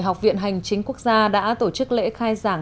học viện hành chính quốc gia đã tổ chức lễ khai giảng